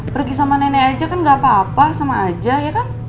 pergi sama nenek aja kan gapapa sama aja ya kan